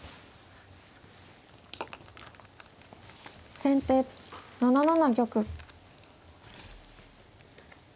先手７七玉。